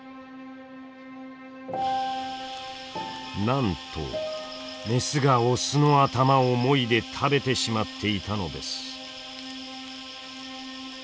なんとメスがオスの頭をもいで食べてしまっていたのです。